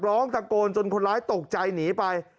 ร้องตะโกนจนคนร้ายตกใจหนีไป